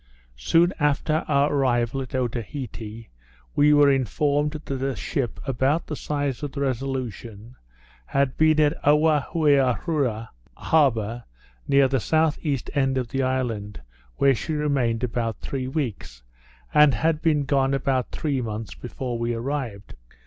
Soon after our arrival at Otaheite, we were informed that a ship about the size of the Resolution, had been in at Owhaiurua harbour, near the S.E. end of the island, where she remained about three weeks; and had been gone about three months before we arrived.